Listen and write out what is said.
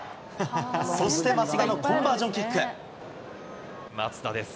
そして松田のコンバージョン松田です。